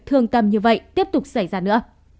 thương tâm như vậy tiếp tục xảy ra nữa